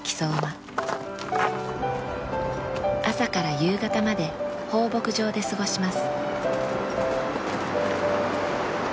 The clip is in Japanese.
朝から夕方まで放牧場で過ごします。